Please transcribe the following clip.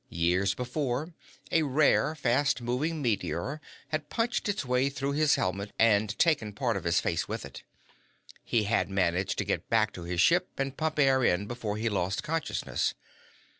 Years before, a rare, fast moving meteor had punched its way through his helmet and taken part of his face with it. He had managed to get back to his ship and pump air in before he lost consciousness.